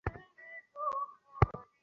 রাজা কহিলেন, বল কী রামমোহন।